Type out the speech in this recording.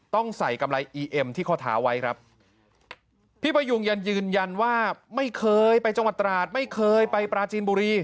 ท่านให้ประกันตัว